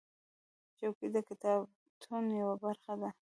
چوکۍ د کتابتون یوه برخه ده.